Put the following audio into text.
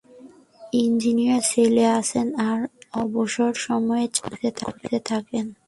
Engineer ছিলেন, আছেন, আর অবসর সময়ে চাকরি খুঁজতে থাকেন।